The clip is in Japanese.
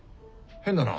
変だな。